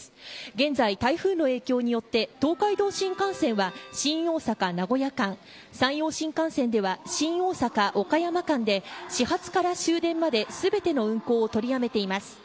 現在、台風の影響によって東海道新幹線は新大阪、名古屋間山陽新幹線では新大阪、岡山間で始発から終電まで全ての運行を取りやめています。